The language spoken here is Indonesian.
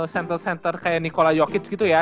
center center kayak nikola jokic gitu ya